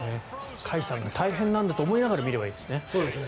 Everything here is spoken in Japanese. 甲斐さんが大変なんだと思いながら見ればいいですね。